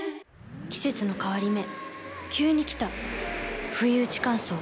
季節の変わり目急に来たふいうち乾燥。